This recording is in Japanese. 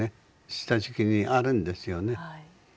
下敷きにあるんですよね。